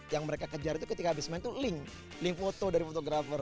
yang mereka kejar itu ketika habis main tuh link link foto dari fotografer